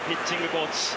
コーチ